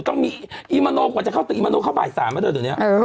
ต้องมีอิมโมโนกว่าจะเข้าตึกอิมโมโนเข้าบ่ายสามแล้วเดี๋ยวเนี่ย